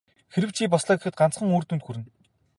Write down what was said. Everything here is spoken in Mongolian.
Хэрэв чи бослоо гэхэд ганцхан үр дүнд хүрнэ.